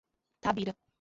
Tabira